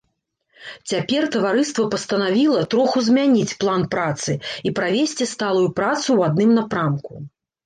Цяпер таварыства пастанавіла троху змяніць план працы і правесці сталую працу ў адным напрамку.